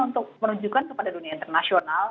untuk menunjukkan kepada dunia internasional